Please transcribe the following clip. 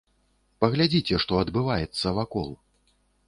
Паглядзіце, што адбываецца вакол.